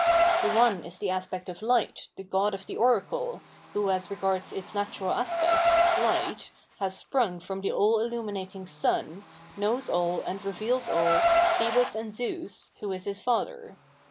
The one is the aspect of %ht, the god of the Oracle, who as regards its natural aspect [Light] has sprung from the aU iUuminating Sun, knows aU and reveals all, Phoebus and Zeus, who is his Pather.